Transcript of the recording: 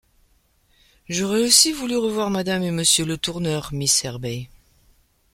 J’aurais aussi voulu revoir Madame et Monsieur Letourneur, miss Herbey. ..